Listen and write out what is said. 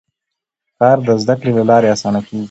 کار د زده کړې له لارې اسانه کېږي